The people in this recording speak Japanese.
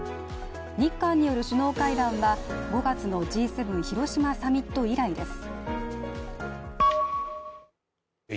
日韓による首脳会談は５月のＧ７広島サミット以来です。